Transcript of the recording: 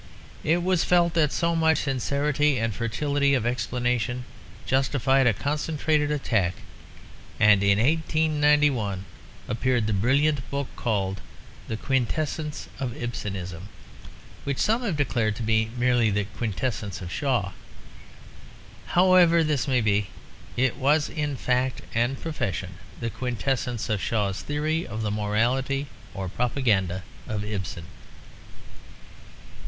It was felt that so much sincerity and fertility of explanation justified a concentrated attack; and in 1891 appeared the brilliant book called The Quintessence of Ibsenism, which some have declared to be merely the quintessence of Shaw. However this may be, it was in fact and profession the quintessence of Shaw's theory of the morality or propaganda of Ibsen.